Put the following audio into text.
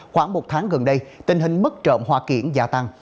khoảng một tháng gần đây tình hình mất trộm hoa kiển gia tăng